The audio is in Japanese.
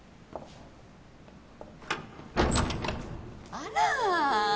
あら。